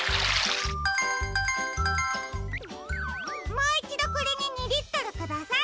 もういちどこれに２リットルください。